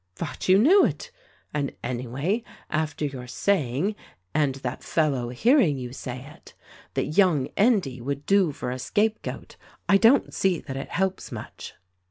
"Thought you knew it; and, anyway, after your saying THE RECORDING ANGEL 167 — and that fellow hearing you say it — that young Endy would do for a scapegoat, I don't see that it helps much."